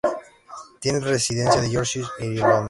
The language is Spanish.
Tiene residencia en Yorkshire y Londres.